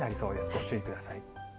ご注意ください。